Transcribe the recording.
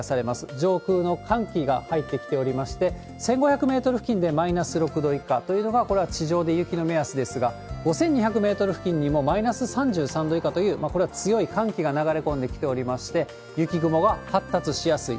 上空の寒気が入ってきておりまして、１５００メートル付近でマイナス６度以下というのが、これは地上で雪の目安ですが、５２００メートル付近にも、マイナス３３度以下という、これは強い寒気が流れ込んできておりまして、雪雲が発達しやすい。